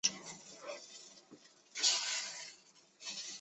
光叶小黑桫椤为桫椤科桫椤属下的一个变种。